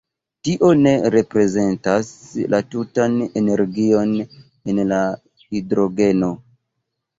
Tio ne reprezentas la tutan energion en la hidrogeno.